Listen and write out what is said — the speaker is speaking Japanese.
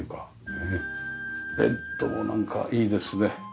ベッドもなんかいいですね。